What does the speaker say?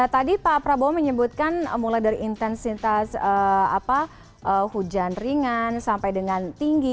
tadi pak prabowo menyebutkan mulai dari intensitas hujan ringan sampai dengan tinggi